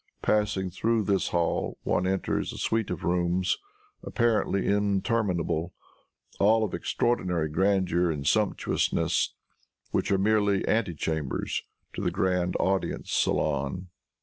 Passing through this hall, one enters a suite of rooms, apparently interminable, all of extraordinary grandeur and sumptuousness, which are merely antechambers to the grand audience saloon.